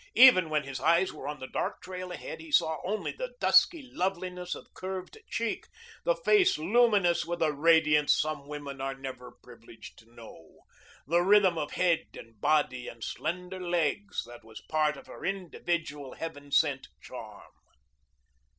Even when his eyes were on the dark trail ahead he saw only the dusky loveliness of curved cheek, the face luminous with a radiance some women are never privileged to know, the rhythm of head and body and slender legs that was part of her individual, heaven sent charm.